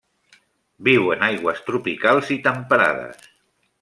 Viu en aigües tropicals i temperades.